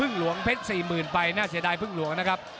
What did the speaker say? นรินทร์ธรรมีรันดร์อำนาจสายฉลาด